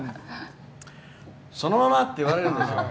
そのまま！って言われるんですよ。